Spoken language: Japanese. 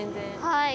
はい。